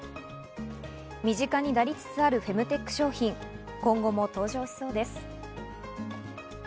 身近になりつつあるフェムテック商品、今後も登場しそうです。